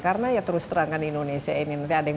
karena ya terus terangkan indonesia ini nanti ada yang